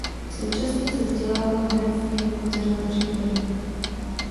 Současně se vzdělával v herectví na Konzervatoři v Brně.